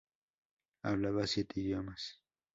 Hablaba siete idiomas.